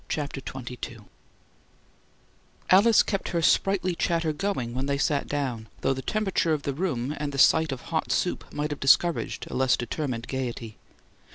CHAPTER XXII Alice kept her sprightly chatter going when they sat down, though the temperature of the room and the sight of hot soup might have discouraged a less determined gayety.